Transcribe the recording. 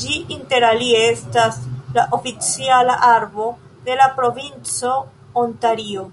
Ĝi interalie estas la oficiala arbo de la provinco Ontario.